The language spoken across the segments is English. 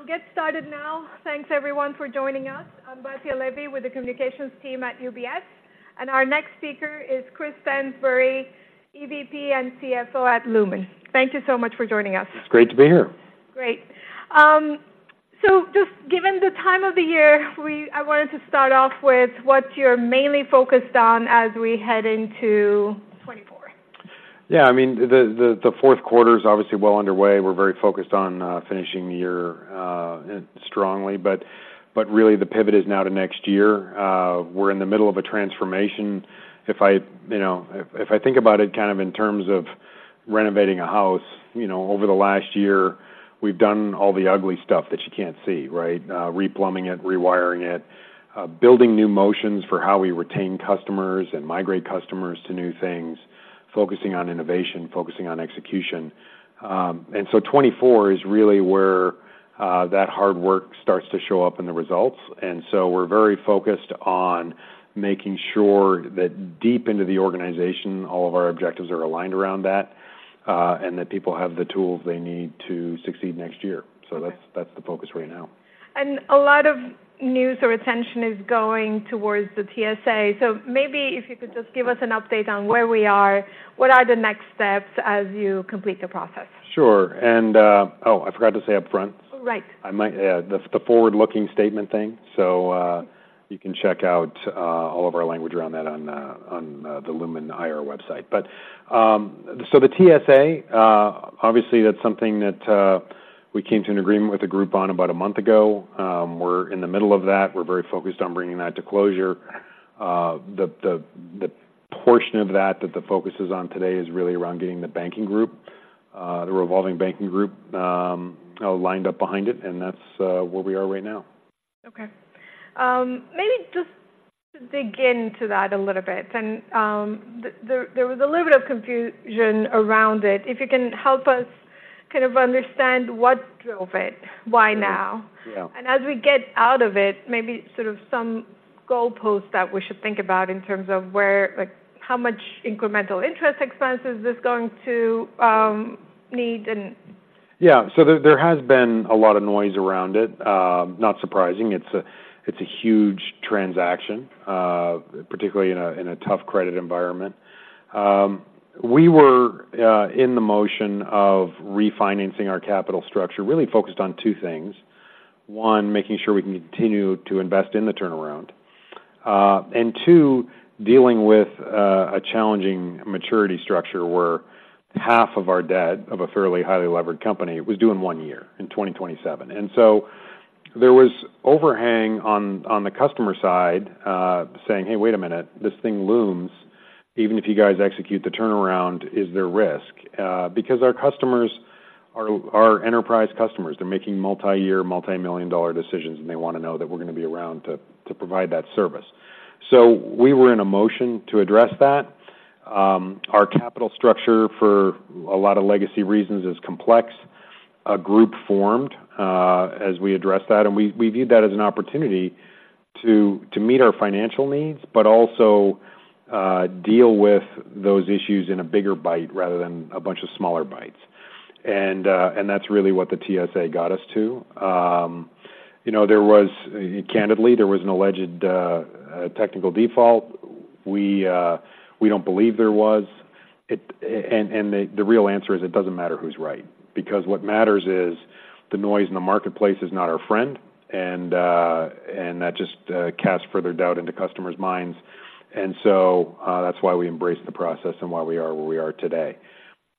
We'll get started now. Thanks everyone for joining us. I'm Batya Levi with the communications team at UBS, and our next speaker is Chris Stansbury, EVP and CFO at Lumen. Thank you so much for joining us. It's great to be here. Great. So just given the time of the year, I wanted to start off with what you're mainly focused on as we head into 2024. Yeah, I mean, the Q4 is obviously well underway. We're very focused on finishing the year strongly. But really the pivot is now to next year. We're in the middle of a transformation. If I, you know, if I think about it, kind of in terms of renovating a house, you know, over the last year, we've done all the ugly stuff that you can't see, right? Replumbing it, rewiring it, building new motions for how we retain customers and migrate customers to new things, focusing on innovation, focusing on execution. And so 2024 is really where that hard work starts to show up in the results, and so we're very focused on making sure that deep into the organization, all of our objectives are aligned around that, and that people have the tools they need to succeed next year. So that's the focus right now. A lot of news or attention is going toward the TSA. Maybe if you could just give us an update on where we are, what are the next steps as you complete the process? Sure. And, oh, I forgot to say up front. Right. I might the forward-looking statement thing. So you can check out all of our language around that on the Lumen IR website. But so the TSA obviously that's something that we came to an agreement with the group on about a month ago. We're in the middle of that. We're very focused on bringing that to closure. The portion of that that the focus is on today is really around getting the banking group, the revolving banking group, lined up behind it, and that's where we are right now. Okay. Maybe just dig into that a little bit, and there was a little bit of confusion around it. If you can help us kind of understand what drove it, why now? Yeah. As we get out of it, maybe sort of some goalposts that we should think about in terms of where—like, how much incremental interest expense is this going to need, and- Yeah, so there has been a lot of noise around it. Not surprising. It's a huge transaction, particularly in a tough credit environment. We were in the motion of refinancing our capital structure, really focused on two things. One, making sure we can continue to invest in the turnaround. And two, dealing with a challenging maturity structure, where half of our debt, of a fairly highly levered company, was due in one year, in 2027. So there was overhang on the customer side, saying: "Hey, wait a minute, this thing looms. Even if you guys execute the turnaround, is there risk?" Because our customers are our enterprise customers. They're making multiyear, multimillion-dollar decisions, and they want to know that we're going to be around to provide that service. So we were in a motion to address that. Our capital structure, for a lot of legacy reasons, is complex. A group formed as we addressed that, and we viewed that as an opportunity to meet our financial needs, but also deal with those issues in a bigger bite rather than a bunch of smaller bites. And that's really what the TSA got us to. You know, there was candidly, there was an alleged technical default. We don't believe there was. And the real answer is, it doesn't matter who's right, because what matters is the noise in the marketplace is not our friend, and that just casts further doubt into customers' minds. And so that's why we embraced the process and why we are where we are today.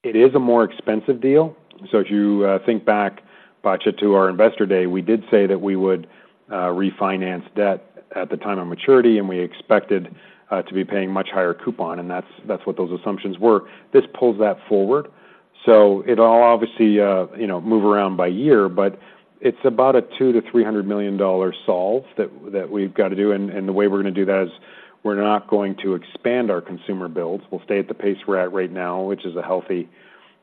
It is a more expensive deal. So if you think back, Batya, to our Investor Day, we did say that we would refinance debt at the time of maturity, and we expected to be paying much higher coupon, and that's what those assumptions were. This pulls that forward, so it'll obviously, you know, move around by year, but it's about a $200 million-$300 million solve that we've got to do, and the way we're going to do that is we're not going to expand our consumer builds. We'll stay at the pace we're at right now, which is a healthy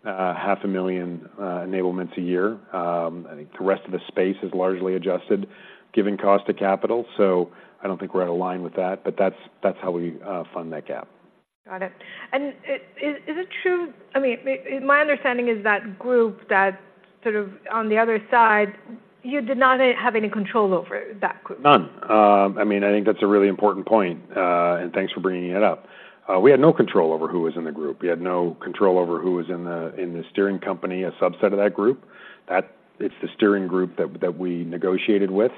half a million enablements a year. I think the rest of the space is largely adjusted, given cost to capital, so I don't think we're out of line with that, but that's how we fund that gap. Got it. Is it true, I mean, my understanding is that group that sort of on the other side, you did not have any control over that group? None. I mean, I think that's a really important point, and thanks for bringing it up. We had no control over who was in the group. We had no control over who was in the, in the steering committee, a subset of that group. That it's the steering group that, that we negotiated with.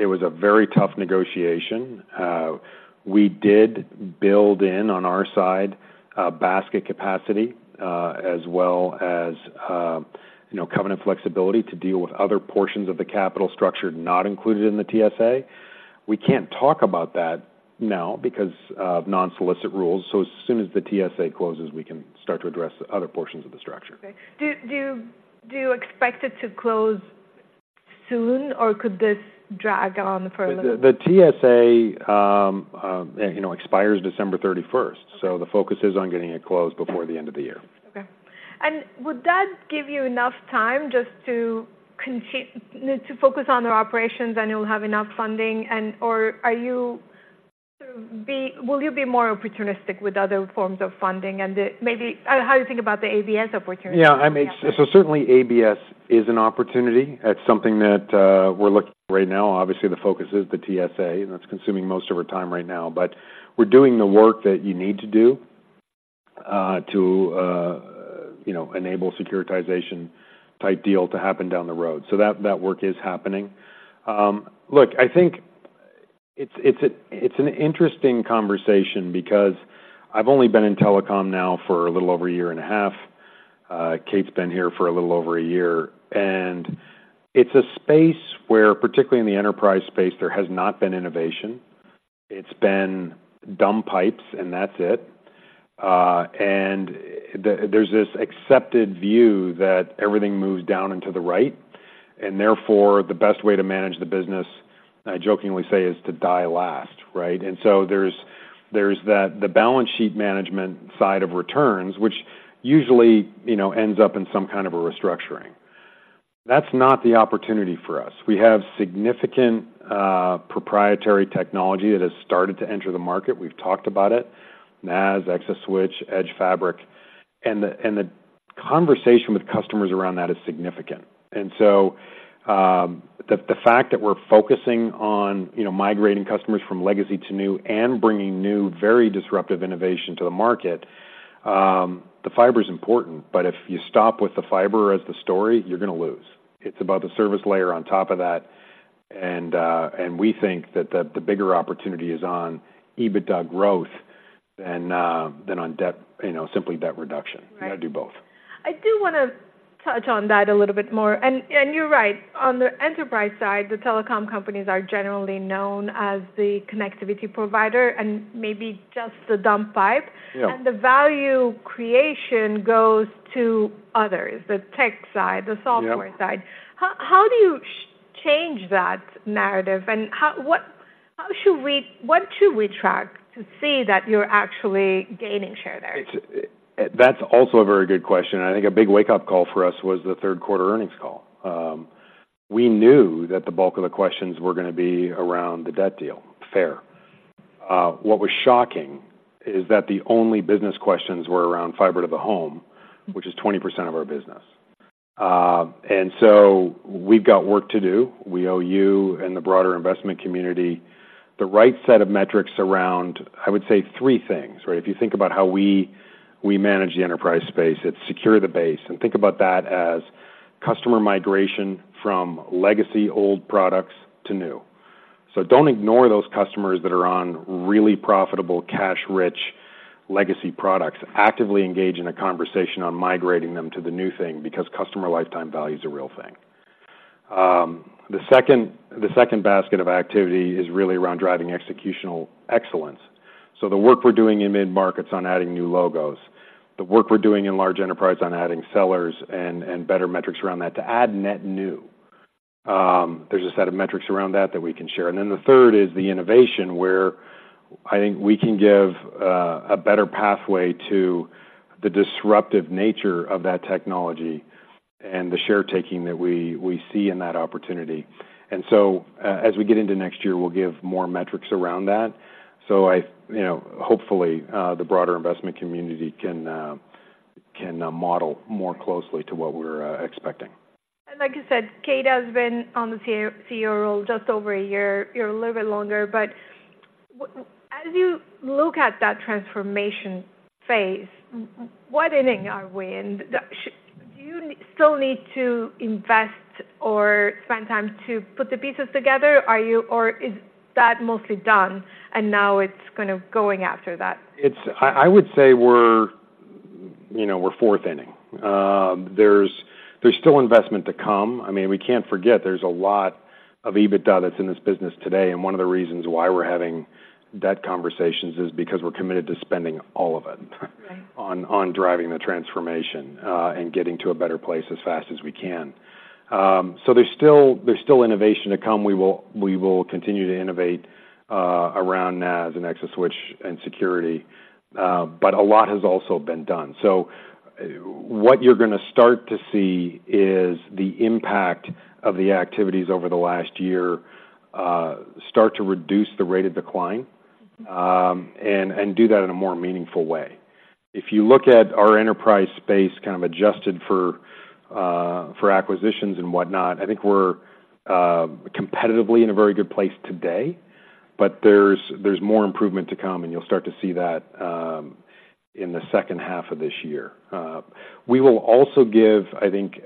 It was a very tough negotiation. We did build in, on our side, a basket capacity, as well as, you know, covenant flexibility to deal with other portions of the capital structure not included in the TSA. We can't talk about that now because of non-solicit rules, so as soon as the TSA closes, we can start to address the other portions of the structure. Okay. Do you expect it to close soon, or could this drag on for a little? The TSA, you know, expires December thirty-first, so the focus is on getting it closed before the end of the year. Okay. And would that give you enough time just to continue to focus on the operations, and you'll have enough funding, and or are you but will you be more opportunistic with other forms of funding? And, maybe, how you think about the ABS opportunity? Yeah, I mean, so certainly ABS is an opportunity. That's something that, we're looking at right now. Obviously, the focus is the TSA, and that's consuming most of our time right now. But we're doing the work that you need to do, to, you know, enable securitization-type deal to happen down the road. So that, that work is happening. Look, I think it's, it's a, it's an interesting conversation because I've only been in telecom now for a little over a year and a half. Kate's been here for a little over a year, and it's a space where, particularly in the enterprise space, there has not been innovation. It's been dumb pipes, and that's it. And there's this accepted view that everything moves down into the right, and therefore, the best way to manage the business, I jokingly say, is to die last, right? And so there's, there's that, the balance sheet management side of returns, which usually, you know, ends up in some kind of a restructuring. That's not the opportunity for us. We have significant, proprietary technology that has started to enter the market. We've talked about it, NaaS, ExaSwitch, Edge Fabric, and the, and the conversation with customers around that is significant. And so, the, the fact that we're focusing on, you know, migrating customers from legacy to new and bringing new, very disruptive innovation to the market, the fiber is important, but if you stop with the fiber as the story, you're gonna lose. It's about the service layer on top of that, and, and we think that the, the bigger opportunity is on EBITDA growth than, than on debt, you know, simply debt reduction. Right. We're gonna do both. I do wanna touch on that a little bit more. You're right, on the enterprise side, the telecom companies are generally known as the connectivity provider and maybe just the dumb pipe. Yeah. The value creation goes to others, the tech side- Yeah -the software side. How do you change that narrative? And how—what should we track to see that you're actually gaining share there? It's. That's also a very good question, and I think a big wake-up call for us was the Q3 earnings call. We knew that the bulk of the questions were gonna be around the debt deal. Fair. What was shocking is that the only business questions were around fiber to the home, which is 20% of our business. And so we've got work to do. We owe you and the broader investment community the right set of metrics around, I would say, three things, right? If you think about how we manage the enterprise space, it's secure the base, and think about that as customer migration from legacy old products to new. So don't ignore those customers that are on really profitable, cash-rich legacy products. Actively engage in a conversation on migrating them to the new thing because customer lifetime value is a real thing. The second basket of activity is really around driving executional excellence. So the work we're doing in mid-markets on adding new logos, the work we're doing in large enterprise on adding sellers and better metrics around that to add net new. There's a set of metrics around that that we can share. And then the third is the innovation, where I think we can give a better pathway to the disruptive nature of that technology and the share taking that we see in that opportunity. And so, as we get into next year, we'll give more metrics around that. So, you know, hopefully, the broader investment community can model more closely to what we're expecting. And like you said, Kate has been on the CEO role just over a year, you're a little bit longer, but as you look at that transformation phase, what inning are we in? Do you still need to invest or spend time to put the pieces together? Are you, or is that mostly done and now it's kind of going after that? It's I would say we're, you know, we're fourth inning. There's still investment to come. I mean, we can't forget there's a lot of EBITDA that's in this business today, and one of the reasons why we're having debt conversations is because we're committed to spending all of it- Right -on driving the transformation, and getting to a better place as fast as we can. So there's still, there's still innovation to come. We will, we will continue to innovate, around NaaS and ExaSwitch and security, but a lot has also been done. So what you're gonna start to see is the impact of the activities over the last year, start to reduce the rate of decline, and, and do that in a more meaningful way. If you look at our enterprise space, kind of adjusted for, for acquisitions and whatnot, I think we're, competitively in a very good place today, but there's, there's more improvement to come, and you'll start to see that, in the H2 of this year. We will also give, I think,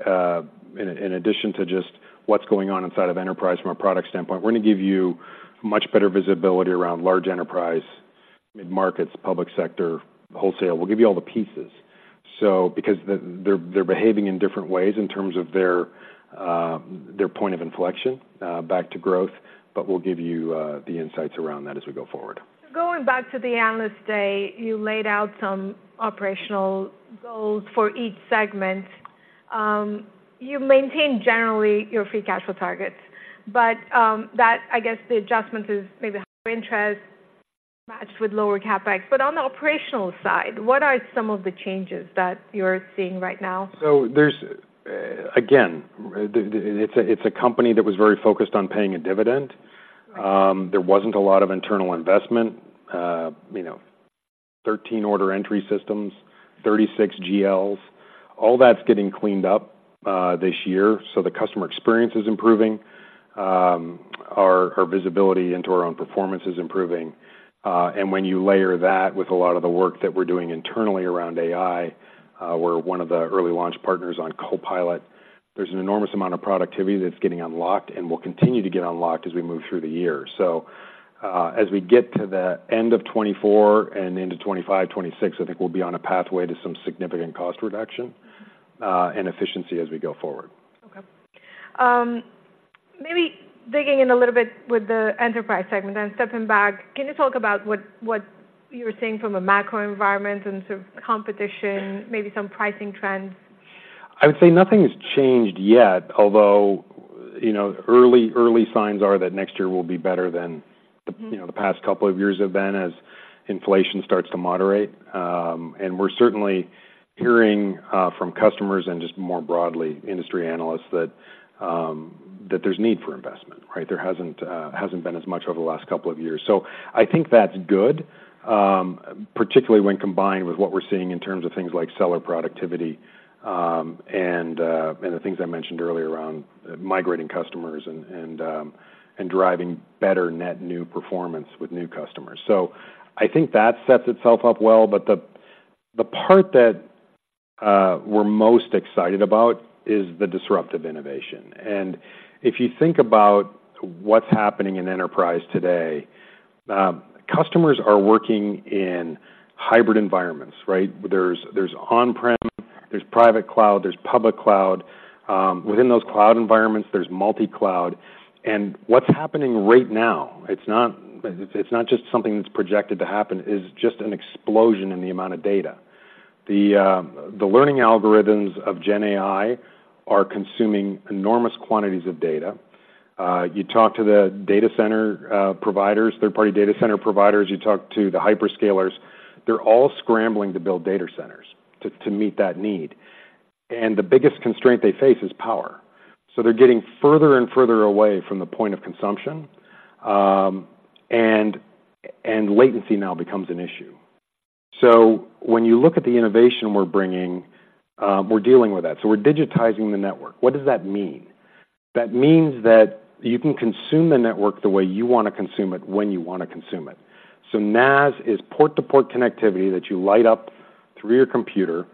in addition to just what's going on inside of enterprise from a product standpoint, we're gonna give you much better visibility around large enterprise, mid-markets, public sector, wholesale. We'll give you all the pieces. So because they're behaving in different ways in terms of their point of inflection back to growth, but we'll give you the insights around that as we go forward. Going back to the analyst day, you laid out some operational goals for each segment. You maintained generally your free cash flow targets, but that, I guess, the adjustment is maybe higher interest matched with lower CapEx. But on the operational side, what are some of the changes that you're seeing right now? Again, it's a company that was very focused on paying a dividend. There wasn't a lot of internal investment, you know, 13 order entry systems, 36 GLs, all that's getting cleaned up this year, so the customer experience is improving. Our visibility into our own performance is improving. And when you layer that with a lot of the work that we're doing internally around AI, we're one of the early launch partners on Copilot. There's an enormous amount of productivity that's getting unlocked and will continue to get unlocked as we move through the year. So, as we get to the end of 2024 and into 2025, 2026, I think we'll be on a pathway to some significant cost reduction and efficiency as we go forward. Okay. Maybe digging in a little bit with the enterprise segment and stepping back, can you talk about what, what you're seeing from a macro environment in terms of competition, maybe some pricing trends? I would say nothing has changed yet, although, you know, early, early signs are that next year will be better than- Mm-hmm -you know, the past couple of years have been, as inflation starts to moderate. And we're certainly hearing from customers and just more broadly, industry analysts, that that there's need for investment, right? There hasn't been as much over the last couple of years. So I think that's good, particularly when combined with what we're seeing in terms of things like seller productivity and the things I mentioned earlier around migrating customers and driving better net new performance with new customers. So I think that sets itself up well. But the part that we're most excited about is the disruptive innovation. And if you think about what's happening in enterprise today, customers are working in hybrid environments, right? There's on-prem, there's private cloud, there's public cloud. Within those cloud environments, there's multi-cloud. And what's happening right now, it's not, it's not just something that's projected to happen, is just an explosion in the amount of data. The learning algorithms of GenAI are consuming enormous quantities of data. You talk to the data center providers, third-party data center providers, you talk to the hyperscalers, they're all scrambling to build data centers to meet that need. And the biggest constraint they face is power. So they're getting further and further away from the point of consumption, and latency now becomes an issue. So when you look at the innovation we're bringing, we're dealing with that. So we're digitizing the network. What does that mean? That means that you can consume the network the way you want to consume it, when you want to consume it. So NaaS is port-to-port connectivity that you light up through your computer,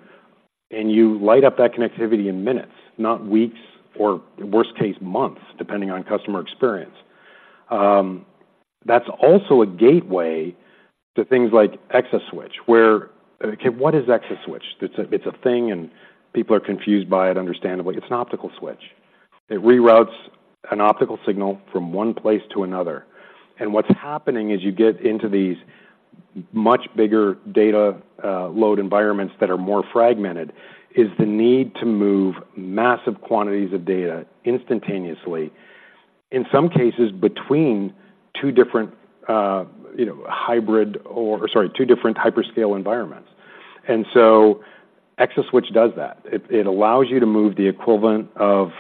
and you light up that connectivity in minutes, not weeks, or worst case, months, depending on customer experience. That's also a gateway to things like ExaSwitch, where, okay, what is ExaSwitch? It's a, it's a thing, and people are confused by it, understandably. It's an optical switch. It reroutes an optical signal from one place to another. And what's happening as you get into these much bigger data load environments that are more fragmented is the need to move massive quantities of data instantaneously, in some cases, between two different, you know, hybrid, or sorry, two different hyperscale environments. And so ExaSwitch does that. It allows you to move the equivalent of,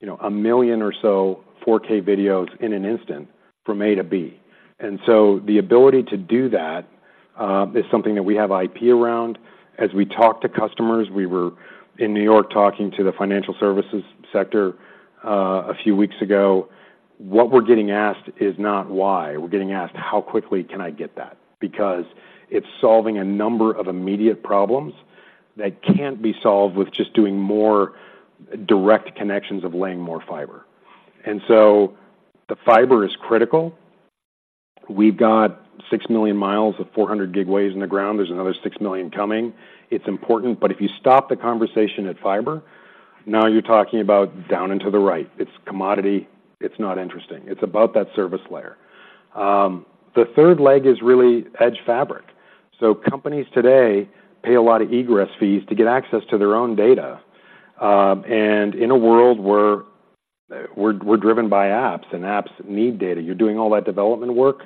you know, 1 million or so 4K videos in an instant from A to B. And so the ability to do that is something that we have IP around. As we talk to customers, we were in New York talking to the financial services sector a few weeks ago. What we're getting asked is not why. We're getting asked: How quickly can I get that? Because it's solving a number of immediate problems that can't be solved with just doing more direct connections of laying more fiber. And so the fiber is critical. We've got 6 million miles of 400 gig waves in the ground. There's another 6 million coming. It's important, but if you stop the conversation at fiber, now you're talking about down and to the right. It's commodity. It's not interesting. It's about that service layer. The third leg is really Edge Fabric. So companies today pay a lot of egress fees to get access to their own data, and in a world where we're driven by apps, and apps need data, you're doing all that development work.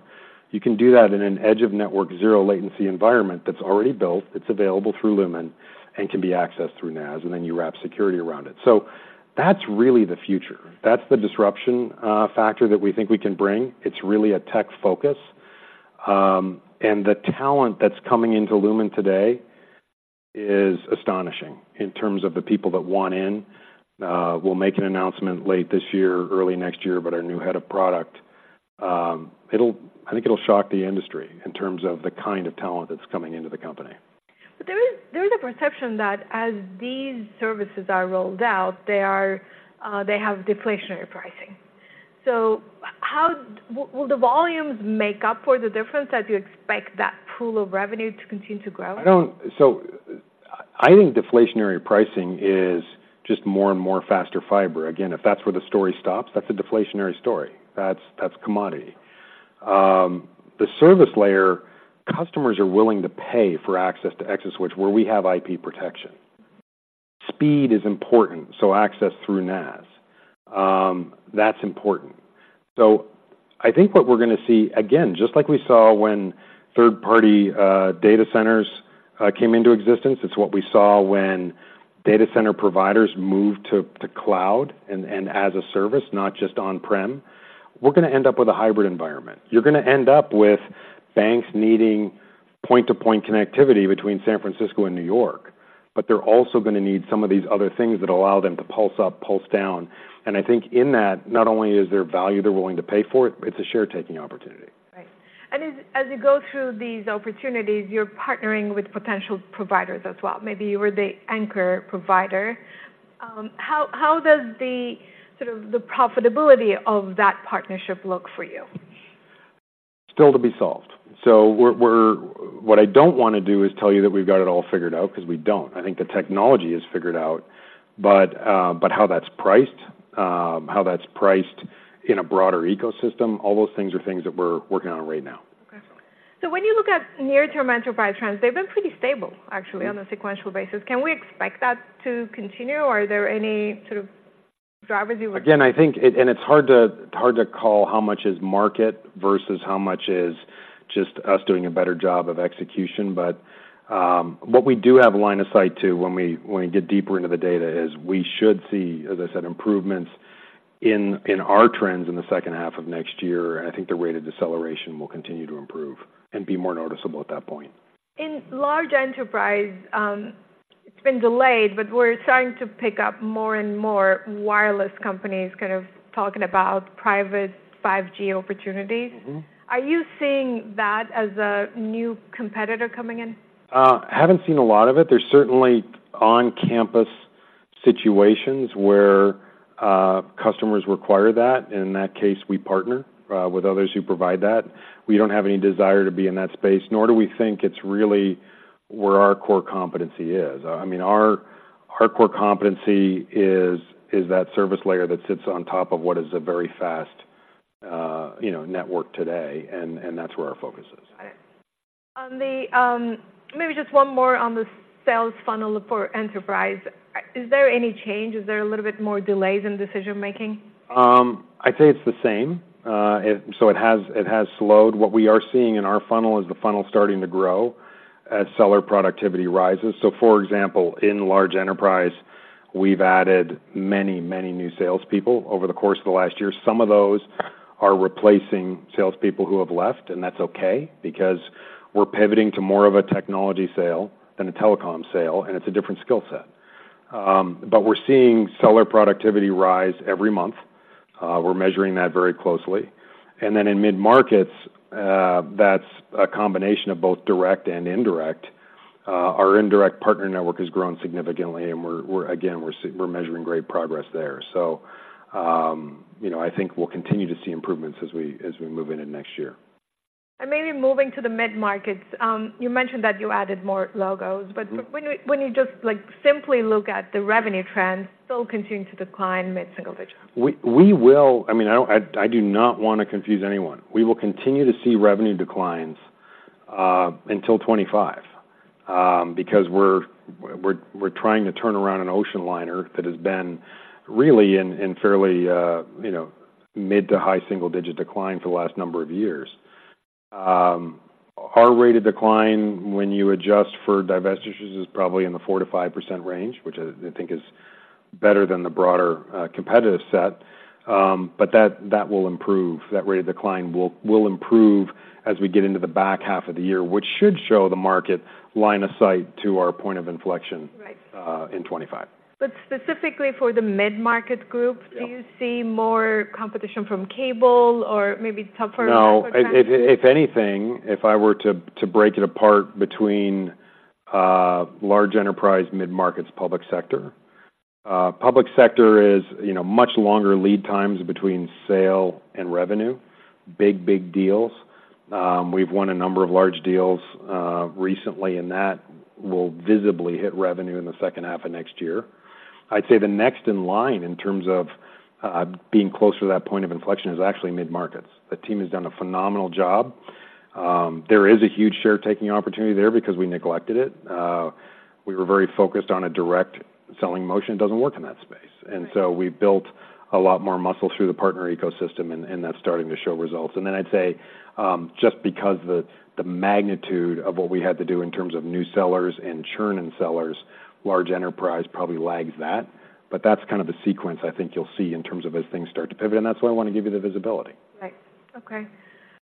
You can do that in an edge of network, zero latency environment that's already built, it's available through Lumen and can be accessed through NaaS, and then you wrap security around it. So that's really the future. That's the disruption factor that we think we can bring. It's really a tech focus. And the talent that's coming into Lumen today is astonishing in terms of the people that want in. We'll make an announcement late this year, early next year, about our new head of product. It'll. I think it'll shock the industry in terms of the kind of talent that's coming into the company. But there is a perception that as these services are rolled out, they have deflationary pricing. So how will the volumes make up for the difference, that you expect that pool of revenue to continue to grow? So I think deflationary pricing is just more and more faster fiber. Again, if that's where the story stops, that's a deflationary story. That's, that's commodity. The service layer, customers are willing to pay for access to ExaSwitch, where we have IP protection. Speed is important, so access through NaaS, that's important. So I think what we're going to see, again, just like we saw when third-party data centers came into existence, it's what we saw when data center providers moved to cloud and as a service, not just on-prem, we're gonna end up with a hybrid environment. You're gonna end up with banks needing point-to-point connectivity between San Francisco and New York, but they're also gonna need some of these other things that allow them to pulse up, pulse down. I think in that, not only is there value they're willing to pay for it, but it's a share taking opportunity. Right. And as you go through these opportunities, you're partnering with potential providers as well. Maybe you were the anchor provider. How does the sort of the profitability of that partnership look for you? Still to be solved. So we're, what I don't want to do is tell you that we've got it all figured out, because we don't. I think the technology is figured out, but, but how that's priced, how that's priced in a broader ecosystem, all those things are things that we're working on right now. Okay. So when you look at near-term enterprise trends, they've been pretty stable, actually, on a sequential basis. Can we expect that to continue, or are there any sort of drivers you would- Again, I think. It's hard to call how much is market versus how much is just us doing a better job of execution. But what we do have line of sight to when we get deeper into the data is we should see, as I said, improvements in our trends in the H2 of next year. I think the rate of deceleration will continue to improve and be more noticeable at that point. In large enterprise, it's been delayed, but we're starting to pick up more and more wireless companies kind of talking about Private 5G opportunities. Mm-hmm. Are you seeing that as a new competitor coming in? I haven't seen a lot of it. There's certainly on-campus situations where customers require that, and in that case, we partner with others who provide that. We don't have any desire to be in that space, nor do we think it's really where our core competency is. I mean, our, our core competency is, is that service layer that sits on top of what is a very fast, you know, network today, and, and that's where our focus is. Right. On the, maybe just one more on the sales funnel for enterprise. Is there any change? Is there a little bit more delays in decision making? I'd say it's the same. So it has slowed. What we are seeing in our funnel is the funnel starting to grow as seller productivity rises. So for example, in large enterprise, we've added many, many new salespeople over the course of the last year. Some of those are replacing salespeople who have left, and that's okay because we're pivoting to more of a technology sale than a telecom sale, and it's a different skill set. But we're seeing seller productivity rise every month. We're measuring that very closely. And then in mid-markets, that's a combination of both direct and indirect. Our indirect partner network has grown significantly, and we're measuring great progress there. So, you know, I think we'll continue to see improvements as we move into next year. Maybe moving to the mid-markets, you mentioned that you added more logos. Mm-hmm. But when you just, like, simply look at the revenue trends, still continuing to decline mid-single-digit. We will, I mean, I do not want to confuse anyone. We will continue to see revenue declines until 2025, because we're trying to turn around an ocean liner that has been really in fairly, you know, mid- to high-single-digit decline for the last number of years. Our rate of decline when you adjust for divestitures is probably in the 4%-5% range, which I think is better than the broader competitive set. But that will improve. That rate of decline will improve as we get into the back half of the year, which should show the market line of sight to our point of inflection- Right -in 2025. But specifically for the mid-market group- Yeah Do you see more competition from cable or maybe tougher? No, if anything, if I were to break it apart between large enterprise, mid-markets, public sector. Public sector is, you know, much longer lead times between sale and revenue. Big deals. We've won a number of large deals recently, and that will visibly hit revenue in the H2 of next year. I'd say the next in line, in terms of being closer to that point of inflection, is actually mid-markets. The team has done a phenomenal job. There is a huge share taking opportunity there because we neglected it. We were very focused on a direct selling motion. It doesn't work in that space. Right. And so we built a lot more muscle through the partner ecosystem, and that's starting to show results. Then I'd say, just because the magnitude of what we had to do in terms of new sellers and churn in sellers, large enterprise probably lags that, but that's kind of the sequence I think you'll see in terms of as things start to pivot, and that's why I want to give you the visibility. Right. Okay.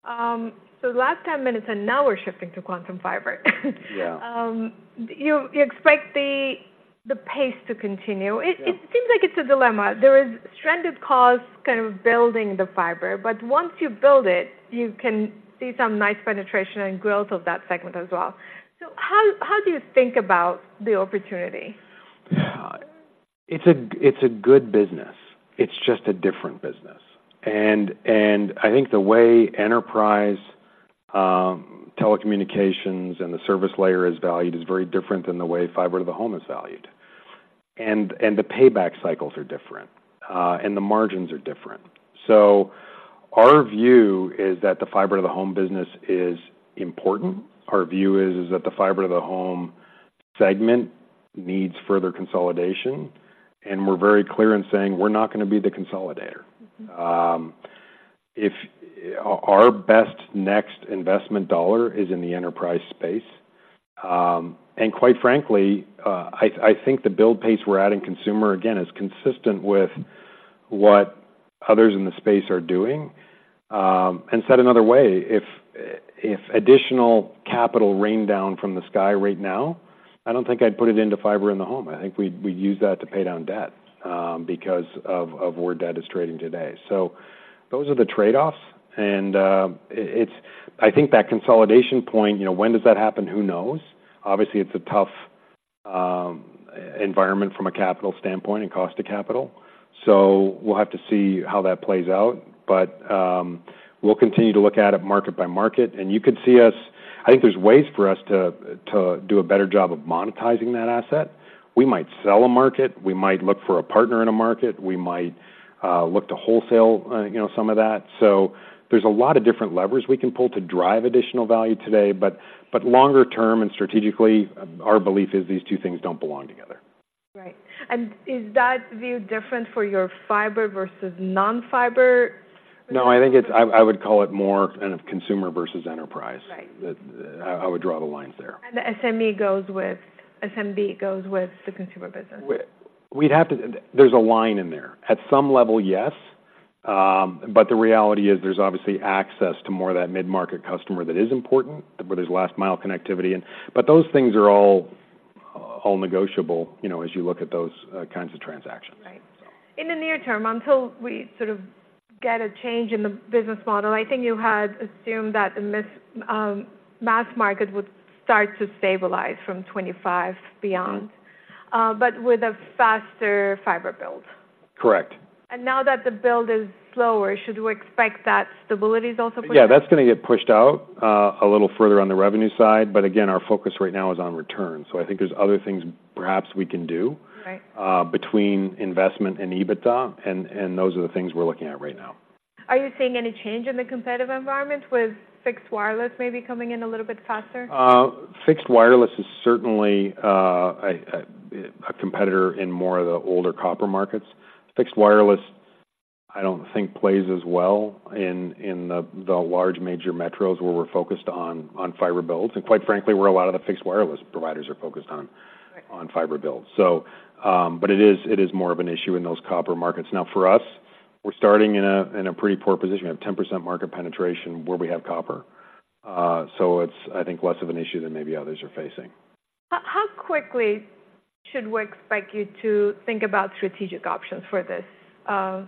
So the last 10 minutes, and now we're shifting to Quantum Fiber. Yeah. You expect the pace to continue? Yeah. It seems like it's a dilemma. There is stranded costs kind of building the fiber, but once you build it, you can see some nice penetration and growth of that segment as well. So how do you think about the opportunity? Yeah. It's a good business. It's just a different business. And I think the way enterprise telecommunications and the service layer is valued is very different than the way fiber to the home is valued. And the payback cycles are different, and the margins are different. So our view is that the fiber to the home business is important. Our view is that the fiber to the home segment needs further consolidation, and we're very clear in saying we're not going to be the consolidator. If our best next investment dollar is in the enterprise space, and quite frankly, I think the build pace we're adding consumer, again, is consistent with what others in the space are doing. And said another way, if additional capital rained down from the sky right now, I don't think I'd put it into fiber in the home. I think we'd use that to pay down debt, because of where debt is trading today. So those are the trade-offs, and it's. I think that consolidation point, you know, when does that happen? Who knows? Obviously, it's a tough environment from a capital standpoint and cost to capital, so we'll have to see how that plays out. But we'll continue to look at it market by market, and you could see us. I think there's ways for us to do a better job of monetizing that asset. We might sell a market, we might look for a partner in a market, we might look to wholesale, you know, some of that. So there's a lot of different levers we can pull to drive additional value today, but longer term and strategically, our belief is these two things don't belong together. Right. And is that view different for your fiber versus non-fiber? No, I think it's I would call it more kind of consumer versus enterprise. Right. I would draw the lines there. The SME goes with- SMB goes with the consumer business? We'd have to, there's a line in there. At some level, yes, but the reality is there's obviously access to more of that mid-market customer that is important, where there's last mile connectivity and but those things are all, all negotiable, you know, as you look at those, kinds of transactions. Right. In the near term, until we sort of get a change in the business model, I think you had assumed that the mass market would start to stabilize from 2025 beyond, but with a faster fiber build. Correct. Now that the build is slower, should we expect that stability is also pushed out? Yeah, that's going to get pushed out, a little further on the revenue side. But again, our focus right now is on return. So I think there's other things perhaps we can do- Right -between investment and EBITDA, and, and those are the things we're looking at right now. Are you seeing any change in the competitive environment with fixed wireless maybe coming in a little bit faster? Fixed wireless is certainly a competitor in more of the older copper markets. Fixed wireless, I don't think plays as well in the large major metros where we're focused on fiber builds, and quite frankly, where a lot of the fixed wireless providers are focused on- Right -on fiber builds. So, but it is, it is more of an issue in those copper markets. Now, for us, we're starting in a, in a pretty poor position. We have 10% market penetration where we have copper. So it's, I think, less of an issue than maybe others are facing. How, how quickly should we expect you to think about strategic options for this,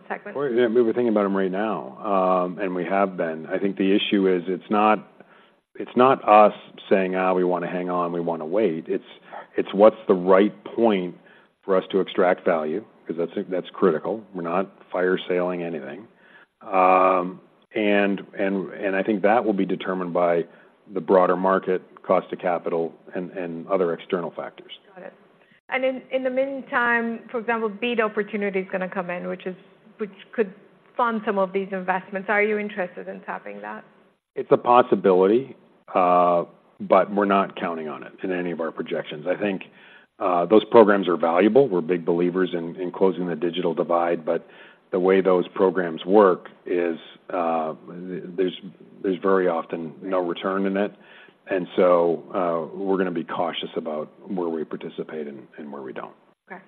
segment? We're thinking about them right now, and we have been. I think the issue is, it's not us saying, we want to hang on, we want to wait. It's what's the right point for us to extract value, because that's critical. We're not fire-saling anything. I think that will be determined by the broader market, cost to capital and other external factors. Got it. And in the meantime, for example, BEAD opportunity is going to come in, which could fund some of these investments. Are you interested in tapping that? It's a possibility, but we're not counting on it in any of our projections. I think, those programs are valuable. We're big believers in closing the digital divide, but the way those programs work is, there's very often no return in it, and so, we're going to be cautious about where we participate and where we don't. Okay.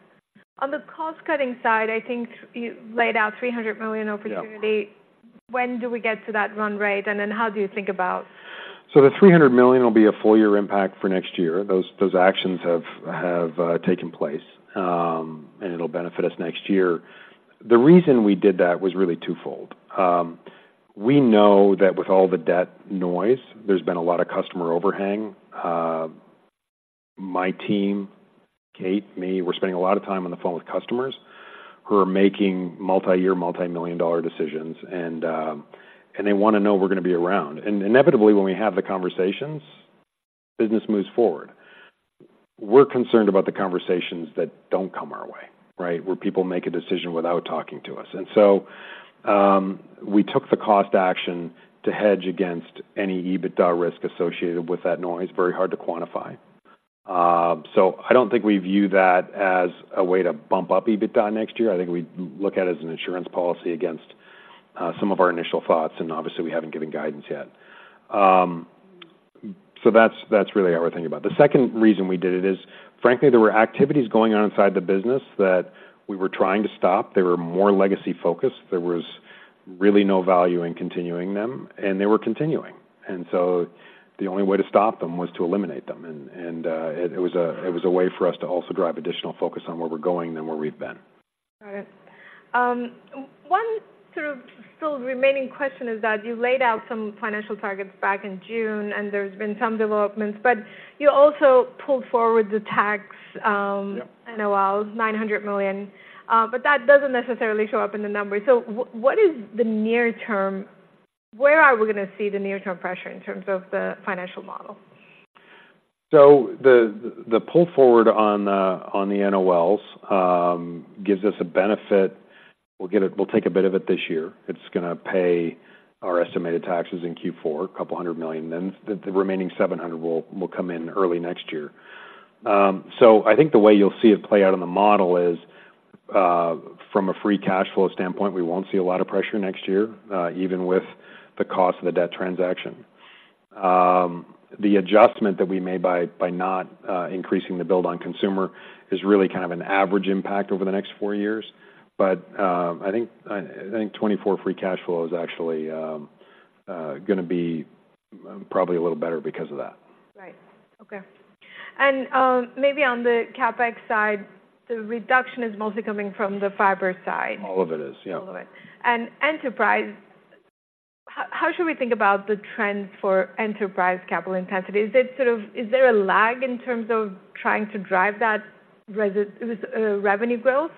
On the cost-cutting side, I think you laid out $300 million opportunity. Yeah. When do we get to that run rate, and then how do you think about? So the $300 million will be a full year impact for next year. Those actions have taken place, and it'll benefit us next year. The reason we did that was really twofold. We know that with all the debt noise, there's been a lot of customer overhang. My team, Kate, me, we're spending a lot of time on the phone with customers who are making multi-year, multi-million-dollar decisions, and they want to know we're going to be around. And inevitably, when we have the conversations, business moves forward. We're concerned about the conversations that don't come our way, right? Where people make a decision without talking to us. So we took the cost action to hedge against any EBITDA risk associated with that noise. Very hard to quantify. So I don't think we view that as a way to bump up EBITDA next year. I think we look at it as an insurance policy against some of our initial thoughts, and obviously, we haven't given guidance yet. So that's really how we're thinking about. The second reason we did it is, frankly, there were activities going on inside the business that we were trying to stop. They were more legacy focused. There was really no value in continuing them, and they were continuing. And so the only way to stop them was to eliminate them, and it was a way for us to also drive additional focus on where we're going than where we've been. Got it. One sort of still remaining question is that you laid out some financial targets back in June, and there's been some developments, but you also pulled forward the tax, Yeah NOL, $900 million, but that doesn't necessarily show up in the numbers. So what is the near-term? Where are we going to see the near-term pressure in terms of the financial model? So the pull forward on the NOLs gives us a benefit. We'll get it. We'll take a bit of it this year. It's gonna pay our estimated taxes in Q4, $200 million, then the remaining $700 million will come in early next year. So I think the way you'll see it play out on the model is from a free cash flow standpoint, we won't see a lot of pressure next year, even with the cost of the debt transaction. The adjustment that we made by not increasing the build on consumer is really kind of an average impact over the next four years. But I think 2024 free cash flow is actually gonna be probably a little better because of that. Right. Okay. And, maybe on the CapEx side, the reduction is mostly coming from the fiber side? All of it is, yeah. All of it. Enterprise, how, how should we think about the trend for enterprise capital intensity? Is it sort of - is there a lag in terms of trying to drive that residential revenue growth?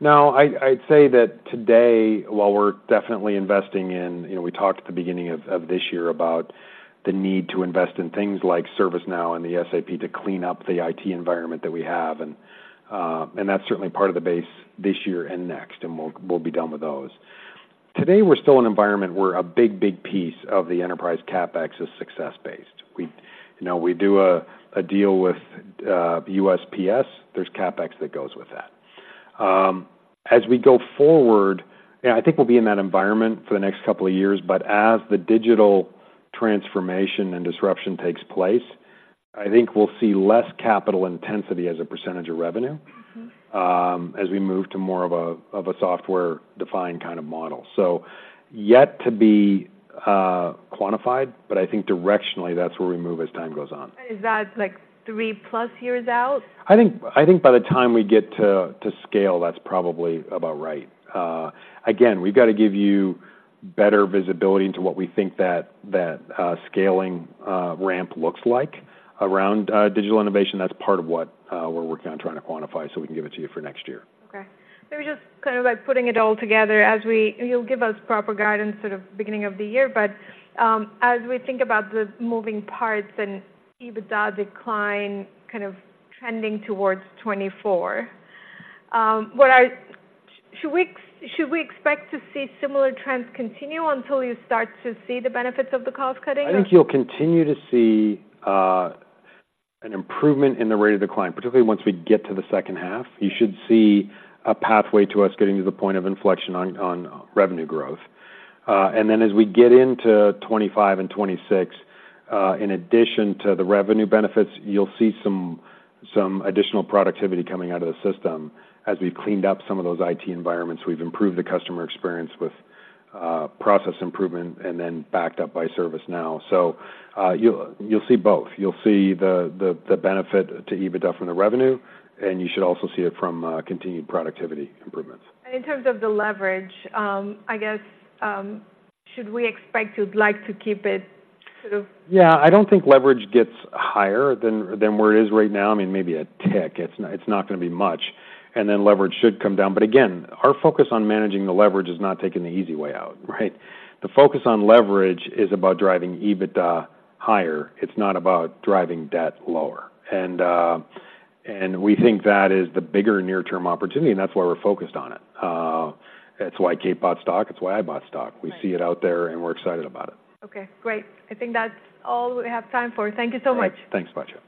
No, I'd say that today, while we're definitely investing in, you know, we talked at the beginning of this year about the need to invest in things like ServiceNow and the SAP to clean up the IT environment that we have. And that's certainly part of the base this year and next, and we'll be done with those. Today, we're still in an environment where a big, big piece of the enterprise CapEx is success-based. You know, we do a deal with USPS. There's CapEx that goes with that. As we go forward, yeah, I think we'll be in that environment for the next couple of years, but as the digital transformation and disruption takes place, I think we'll see less capital intensity as a percentage of revenue- Mm-hmm. as we move to more of a, of a software-defined kind of model. So yet to be quantified, but I think directionally, that's where we move as time goes on. Is that, like, 3+ years out? I think, I think by the time we get to scale, that's probably about right. Again, we've got to give you better visibility into what we think that, that scaling ramp looks like around digital innovation. That's part of what we're working on trying to quantify, so we can give it to you for next year. Okay. Maybe just kind of, like, putting it all together as we and you'll give us proper guidance sort of beginning of the year, but as we think about the moving parts and EBITDA decline kind of trending towards 2024, what should we expect to see similar trends continue until you start to see the benefits of the cost cutting or? I think you'll continue to see an improvement in the rate of decline, particularly once we get to the H2. You should see a pathway to us getting to the point of inflection on revenue growth. And then as we get into 2025 and 2026, in addition to the revenue benefits, you'll see some additional productivity coming out of the system. As we've cleaned up some of those IT environments, we've improved the customer experience with process improvement and then backed up by ServiceNow. So, you'll see both. You'll see the benefit to EBITDA from the revenue, and you should also see it from continued productivity improvements. In terms of the leverage, I guess, should we expect you'd like to keep it sort of- Yeah, I don't think leverage gets higher than where it is right now. I mean, maybe a tick. It's not, it's not gonna be much, and then leverage should come down. But again, our focus on managing the leverage is not taking the easy way out, right? The focus on leverage is about driving EBITDA higher. It's not about driving debt lower. And we think that is the bigger near-term opportunity, and that's why we're focused on it. That's why Kate bought stock, it's why I bought stock. Right. We see it out there, and we're excited about it. Okay, great. I think that's all we have time for. Thank you so much. Thanks, Batya.